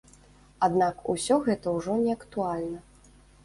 Аднак усё гэта ўжо не актуальна.